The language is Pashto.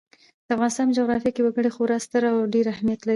د افغانستان په جغرافیه کې وګړي خورا ستر او ډېر اهمیت لري.